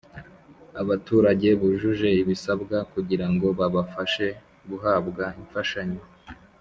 abaturage bujuje ibisabwa kugira ngo babafashe guhabwa imfashanyo